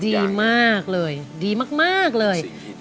ดีมากเลยดีมากเลย